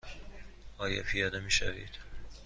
آیا پیاده می شوید؟